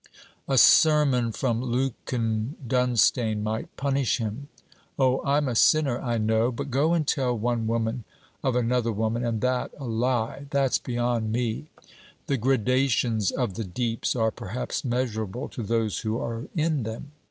'A sermon from Lukin Dunstane might punish him.' 'Oh! I'm a sinner, I know. But, go and tell one woman of another woman, and that a lie! That's beyond me.' 'The gradations of the deeps are perhaps measurable to those who are in them.'